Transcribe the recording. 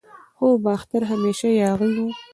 خو باختر همیشه یاغي و